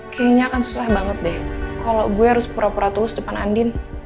kayanya akan susah banget deh kalo gue harus pura pura tulus depan andin